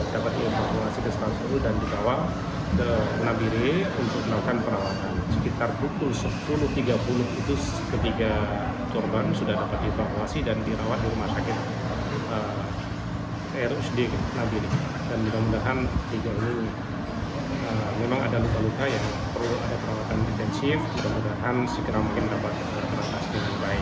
kami mendapatkan evakuasi ke selangor dan di tawang